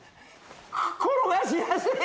転がしやすい！